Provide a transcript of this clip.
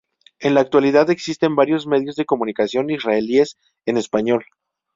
En la actualidad existen varios medios de comunicación israelíes en español.